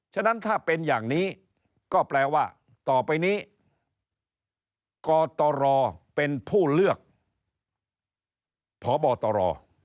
ฉะนั้นถ้าเป็นอย่างนี้ก็แปลว่าต่อไปนี้กตรเป็นผู้เลือกพบตร